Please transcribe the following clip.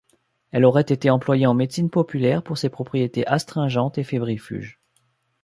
Elle aurait été employée en médecine populaire pour ses propriétés astringentes et fébrifuges.